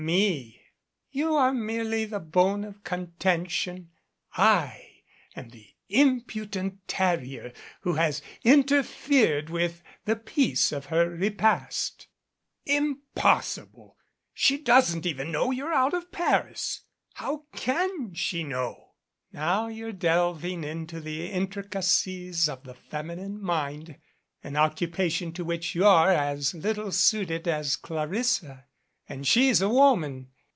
Me. You are merely the bone of contention. I am the impudent terrier who has interfered with the peace of her repast." "Impossible. She doesn't even know you're out of Paris. How can she know?" "Now you're delving into the intricacies of the femi nine mind an occupation to which you're as little suited as Clarissa and she's a woman.